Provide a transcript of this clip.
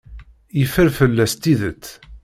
Yeffer fell-as tidet.